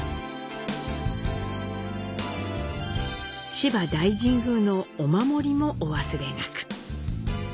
芝大神宮のお守りもお忘れなく。